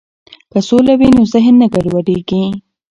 که سوله وي نو ذهن نه ګډوډیږي.